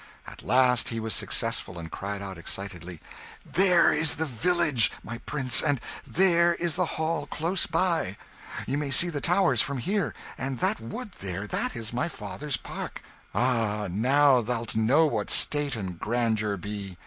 At last he was successful, and cried out excitedly "There is the village, my Prince, and there is the Hall close by! You may see the towers from here; and that wood there that is my father's park. Ah, now thou'lt know what state and grandeur be!